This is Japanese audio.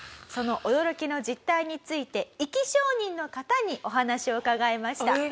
その驚きの実態について生き証人の方にお話を伺いました。